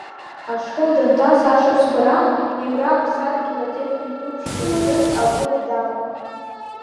Ашкол данҭаз ашықәсқәа раан, Иура аԥсадгьыл атехник қәыԥш захьӡыз агәыԥ далан.